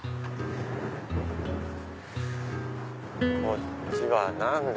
こっちは何だ？